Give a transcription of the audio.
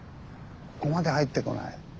ここまで入ってこない。